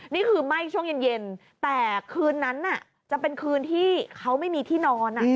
นี่คือไหม้ช่วงเย็นแต่คืนนั้นจะเป็นคืนที่เขาไม่มีที่นอน